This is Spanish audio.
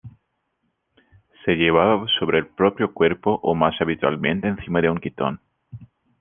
Se llevaba sobre el propio cuerpo o más habitualmente encima de un quitón.